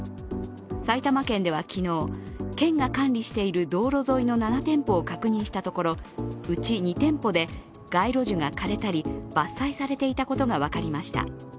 埼玉県では昨日、県が管理している道路沿いの７店舗を確認したところ、うち２店舗で街路樹が枯れたり、伐採されていたことが分かりました。